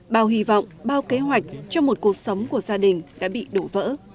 bao hy vọng bao kế hoạch cho một cuộc sống của gia đình đã bị đổ vỡ